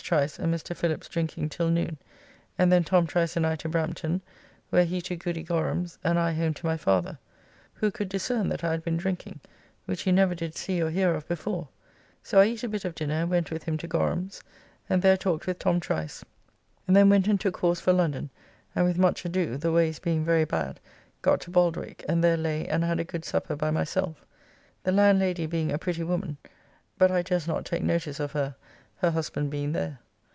Trice and Mr. Philips drinking till noon, and then Tom Trice and I to Brampton, where he to Goody Gorum's and I home to my father, who could discern that I had been drinking, which he did never see or hear of before, so I eat a bit of dinner and went with him to Gorum's, and there talked with Tom Trice, and then went and took horse for London, and with much ado, the ways being very bad, got to Baldwick, and there lay and had a good supper by myself. The landlady being a pretty woman, but I durst not take notice of her, her husband being there.